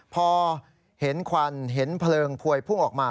พอเห็นควันเห็นเพลิงพวยพุ่งออกมา